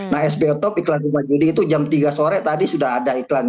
nah sbo talk iklan juga jadi itu jam tiga sore tadi sudah ada iklan